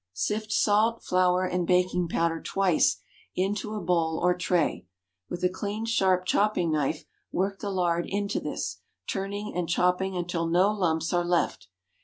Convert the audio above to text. Sift salt, flour, and baking powder twice into a bowl or tray. With a clean sharp chopping knife work the lard into this, turning and chopping until no lumps are left.